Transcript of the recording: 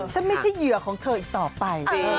ไม่ใช่เหยื่อของเธออีกต่อไป